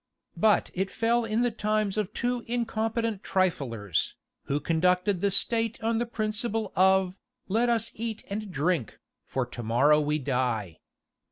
But it fell in the times of two incompetent triflers, who conducted the state on the principle of, "Let us eat and drink, for tomorrow we die."